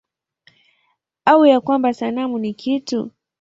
Au ya kwamba sanamu ni kitu?